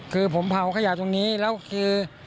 คือผมเผาขยะตรงนี้แล้วคือ